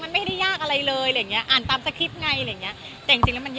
มันไม่ได้ยากอะไรเลย